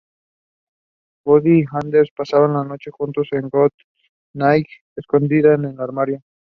Bond y Anders pasan la noche juntos con Goodnight escondida en el armario.